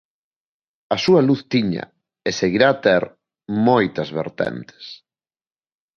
A súa luz tiña, e seguirá a ter, moitas vertentes.